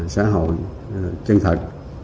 xã hội chân thật